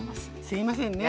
すいませんね。